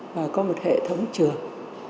và có một hệ thống trường